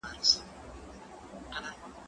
ته ولي لوښي مينځې!.